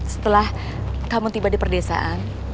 setelah kamu tiba di perdesaan